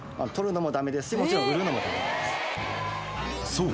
そう。